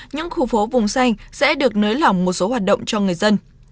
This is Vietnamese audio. những khu phố vùng xanh sẽ được nới lỏng một số hoạt động cho người dân